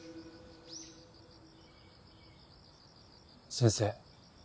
先生